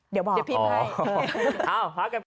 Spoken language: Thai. เดี๋ยวพิมพ์ให้